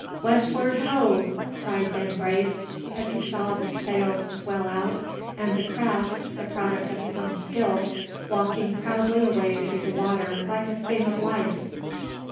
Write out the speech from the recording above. "Westward ho!" cried Ben Brace, as he saw the sail swell out, and the craft, the product of his own skill, walking proudly away through the water like a "thing of life."